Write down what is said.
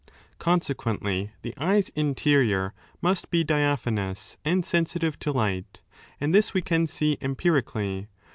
Consequently, the eye's interior must be diaphanous and sensitive to light. And this we can see empirically.